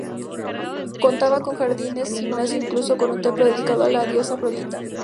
Contaba con jardines, gimnasio e incluso con un templo dedicado a la diosa Afrodita.